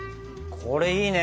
これいいね。